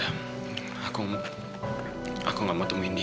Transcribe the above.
aku aku gak mau temuin dia